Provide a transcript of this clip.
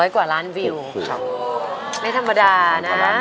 กว่าล้านวิวไม่ธรรมดานะ